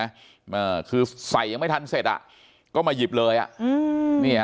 อ่าคือใส่ยังไม่ทันเสร็จอ่ะก็มาหยิบเลยอ่ะอืมนี่ฮะ